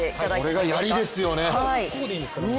これがやりですよね。